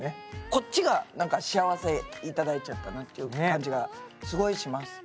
こっちがなんか幸せ頂いちゃったなっていう感じがすごいします。